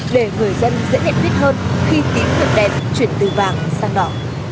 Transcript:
để người dân dễ hiện biết hơn khi tín hiệu đèn chuyển từ vàng sang đỏ